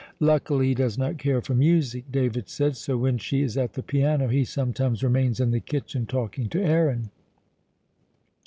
"Luckily he does not care for music," David said, "so when she is at the piano he sometimes remains in the kitchen talking to Aaron."